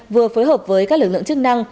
vừa phối hợp với các lực lượng chức năng